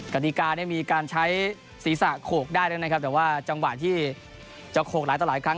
กฎิกาเนี่ยมีการใช้ศีรษะโขกได้แล้วนะครับแต่ว่าจังหวะที่จะโขกหลายต่อหลายครั้ง